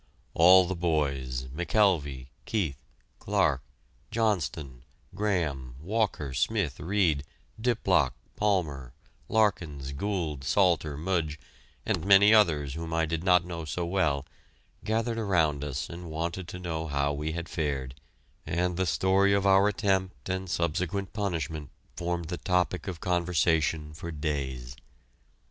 All the boys, McKelvey, Keith, Clarke, Johnston, Graham, Walker, Smith, Reid, Diplock, Palmer, Larkins, Gould, Salter, Mudge, and many others whom I did not know so well, gathered around us and wanted to know how we had fared, and the story of our attempt and subsequent punishment formed the topic of conversation for days.